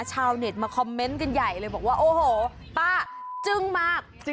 ชาวเน็ตมาคอมเมนต์กันใหญ่เลยบอกว่าโอ้โหป้าจึ้งมาก